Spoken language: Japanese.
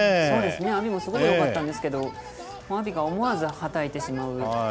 そうですね、阿炎もすごいよかったんですけど、阿炎が思わずはたいてしまう